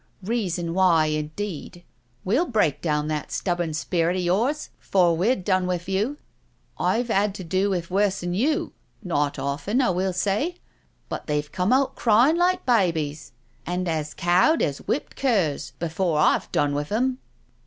"Reason why, indeed I We'll break down that stubborn spirit of yours 'fore we've done with you — I've had to do with worse'n you, not often, I will say, but they've come out cryin' like babies, and as cowed as whipped curs before I've done with 'em.'